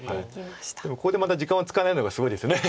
でもここでまた時間を使わないのがすごいです。